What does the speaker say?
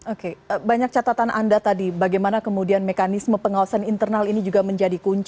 oke banyak catatan anda tadi bagaimana kemudian mekanisme pengaduan